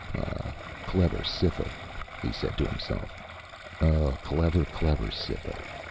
Oh, clever Cytha, he said to himself. Oh, clever, clever Cytha!